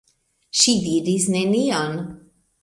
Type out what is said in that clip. Ŝi diris nenion.